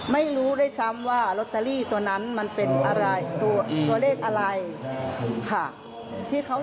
ไม่รู้ด้วยซ้ำว่าลอตเตอรี่ตัวนั้นมันเป็นอะไรตัวเลขอะไรค่ะที่เขา